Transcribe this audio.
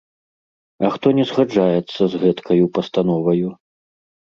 - А хто не згаджаецца з гэткаю пастановаю?